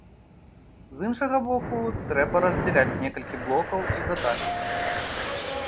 З іншага боку, трэба раздзяляць некалькі блокаў і задач.